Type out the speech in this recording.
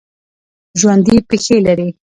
ژوندي پښې لري